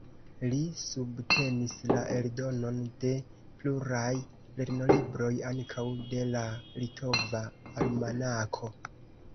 Li subtenis la eldonon de pluraj lernolibroj, ankaŭ de la "Litova Almanako".